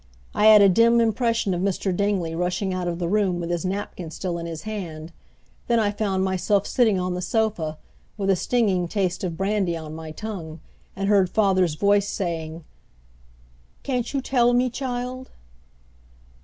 I had a dim impression of Mr. Dingley rushing out of the room with his napkin still in his hand; then I found myself sitting on the sofa, with a stinging taste of brandy on my tongue, and heard father's voice saying, "Can't you tell me, child?"